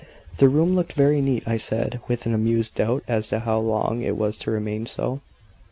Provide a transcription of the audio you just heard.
The room looked very neat, I said, with an amused doubt as to how long it was to remain so.